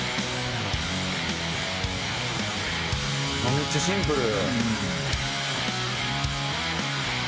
「めっちゃシンプル！」